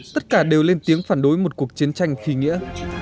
tất cả đều lên tiếng phản đối một cuộc chiến tranh khí nghĩa